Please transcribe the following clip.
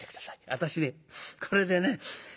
私ねこれでねえ